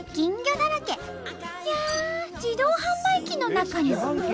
自動販売機の中に！